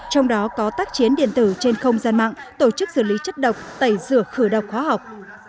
trong đó có tác chiến điện tử trên không gian mạng tổ chức xử lý chất độc tẩy rửa khử độc hóa học